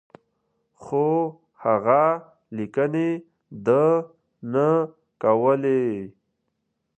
خو هغه لیکني ده نه کولې.